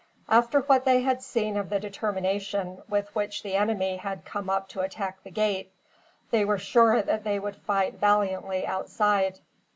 After what they had seen of the determination with which the enemy had come up to attack the gate, they were sure that they would fight valiantly, outside.